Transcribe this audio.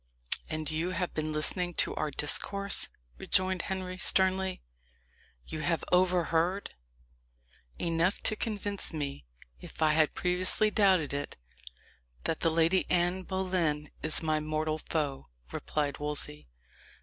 "And you have been listening to our discourse?" rejoined Henry sternly. "You have overheard " "Enough to convince me, if I had previously doubted it, that the Lady Anne Boleyn is my mortal foe," replied Wolsey.